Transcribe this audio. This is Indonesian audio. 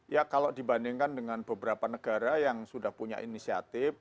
ya kalau dibandingkan dengan beberapa negara yang sudah punya inisiatif